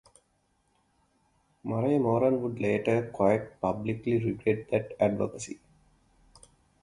Murray Moran would later, quite publicly, regret that advocacy.